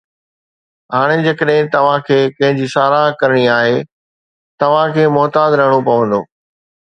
هاڻي جيڪڏهن توهان کي ڪنهن جي ساراهه ڪرڻي آهي، توهان کي محتاط رهڻو پوندو